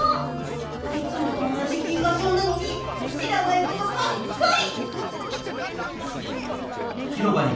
いつもとおなじ銀河町なのにしらないことばっかり！